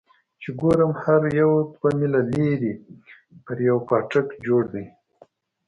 چې ګورم هر يو دوه ميله لرې يو يو پاټک جوړ دى.